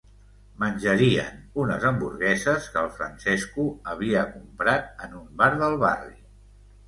Menjarien unes hamburgueses que el Francesco havia comprat en un bar del barri.